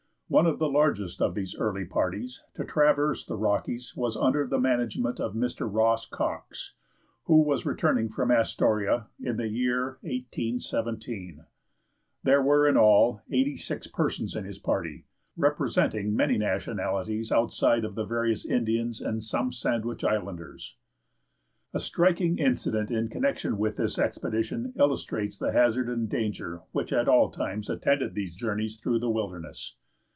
One of the largest of these early parties to traverse the Rockies was under the management of Mr. Ross Cox, who was returning from Astoria in the year 1817. There were, in all, eighty six persons in his party, representing many nationalities outside of the various Indians and some Sandwich Islanders. A striking incident in connection with this expedition illustrates the hazard and danger which at all times attended these journeys through the wilderness.